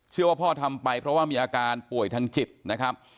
พ่อทำไปเพราะว่ามีอาการป่วยทางจิตนะครับ